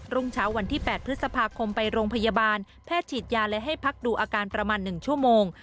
รุ่งเช้าวันที่๘พฤษภาคมไปโรงพยาบาลแพทย์ฉีดยาและให้พักดูอาการประมาณ๑ชั่วโมง